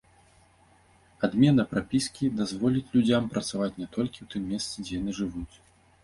Адмена прапіскі дазволіць людзям працаваць не толькі ў тым месцы, дзе яны жывуць.